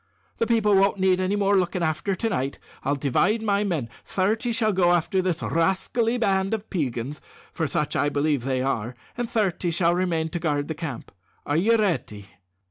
The people won't need any more looking after to night. I'll divide my men thirty shall go after this rascally band of Peigans, for such I believe they are, and thirty shall remain to guard the camp. Are you ready?"